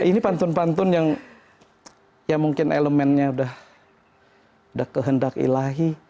ini pantun pantun yang mungkin elemennya sudah kehendak ilahi